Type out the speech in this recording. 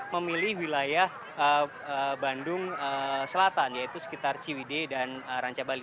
memilih wilayah bandung selatan yaitu sekitar ciwide dan ranca bali